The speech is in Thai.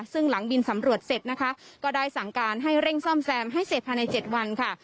ซึ่งหลังบินสำรวจเสร็จนะคะก็ได้สั่งการให้เร่งซ่อมแซมให้เสร็จภายใน๗วันค่ะ